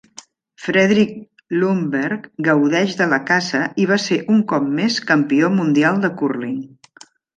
Fredrik Lundberg gaudeix de la caça i va ser un cop més campió mundial de cúrling.